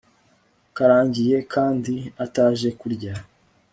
karangiye kandi ataje kurya